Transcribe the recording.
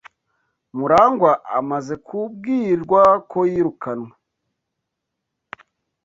Murangwa amaze kubwirwa ko yirukanwe.